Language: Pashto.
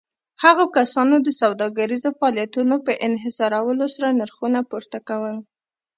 هغو کسانو د سوداګريزو فعاليتونو په انحصارولو سره نرخونه پورته کول.